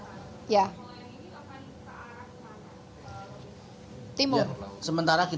kalau yang ini akan ke arah mana